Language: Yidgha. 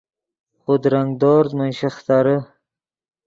خودرنگ دورز من شیخترے